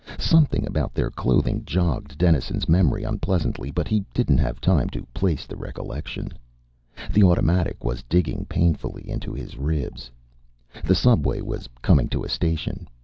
Something about their clothing jogged Dennison's memory unpleasantly, but he didn't have time to place the recollection. The automatic was digging painfully into his ribs. The subway was coming to a station.